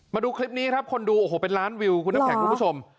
มาดูคลิปนี้ครับคนดูโอ้โหเป็นล้านวิวคุณน้ำแข็งคุณผู้ชม